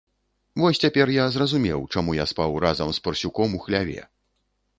Вось цяпер я зразумеў, чаму я спаў разам з парсюком у хляве.